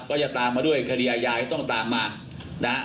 ก็จะตามมาด้วยคดีอายาให้ต้องตามมานะครับ